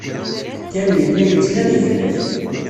Ken yella yettnadi fell-ak.